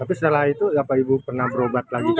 tapi setelah itu bapak ibu pernah berobat lagi